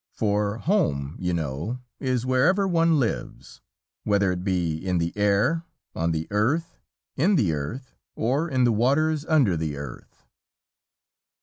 For home, you know, is wherever one lives, whether it be in the air, on the earth, in the earth, or in the waters under the earth.